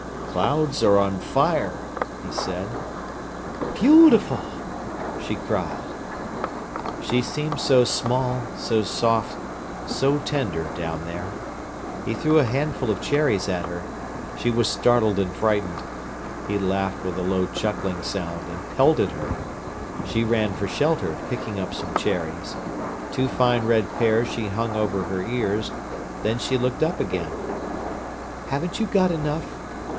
"Clouds are on fire," he said. "Beautiful!" she cried. She seemed so small, so soft, so tender, down there. He threw a handful of cherries at her. She was startled and frightened. He laughed with a low, chuckling sound, and pelted her. She ran for shelter, picking up some cherries. Two fine red pairs she hung over her ears; then she looked up again. "Haven't you got enough?"